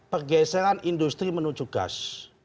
pergeseran industri menuju gas